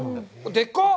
でかっ！